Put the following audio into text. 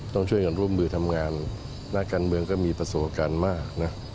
ต้องช่วยกันร่วมมือทำงานนักการเมืองก็มีประสบการณ์มากนะ